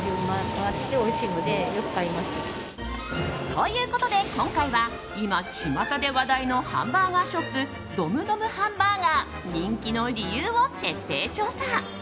ということで今回は今、ちまたで話題のハンバーガーショップドムドムハンバーガー人気の理由を徹底調査。